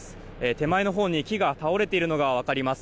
手前のほうに木が倒れているのが分かります。